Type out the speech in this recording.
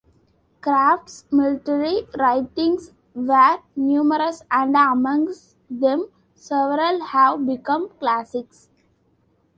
Kraft's military writings were numerous, and amongst them several have become classics.